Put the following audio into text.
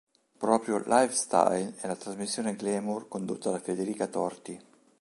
Proprio "Lifestyle" è la trasmissione glamour condotta da Federica Torti.